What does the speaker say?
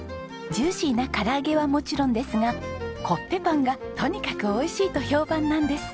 ジューシーな唐揚げはもちろんですがコッペパンがとにかくおいしいと評判なんです。